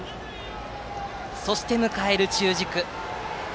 そして迎える中軸。